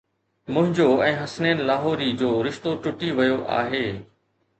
منهنجو ۽ حسنين لاهوري جو رشتو ٽٽي ويو آهي